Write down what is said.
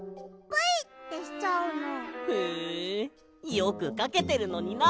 へえよくかけてるのにな